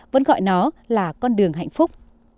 vẫn gọi nó là con đường hạnh phúc